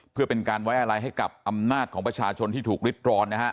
เพื่อเป็นการไว้อะไรให้กับอำนาจของประชาชนที่ถูกริดร้อนนะฮะ